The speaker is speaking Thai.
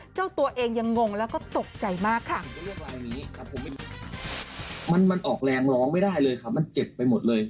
เจ้าตัวเองยังงงแล้วก็ตกใจมากค่ะ